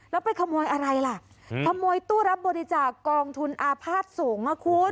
แล้วไปขโมยอะไรล่ะขโมยตู้รับบริจาคกองทุนอาภาษณ์สูงอ่ะคุณ